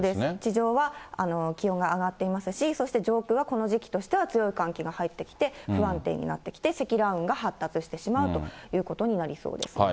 地上は気温が上がっていますし、そして上空はこの時期としては強い寒気が入ってきて、不安定になってきて、積乱雲が発達してしまうということになりそうです。